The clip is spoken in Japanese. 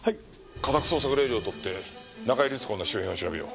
家宅捜索令状を取って中井律子の周辺を調べよう。